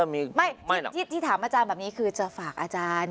ที่ถามอาจารย์แบบนี้คือจะฝากอาจารย์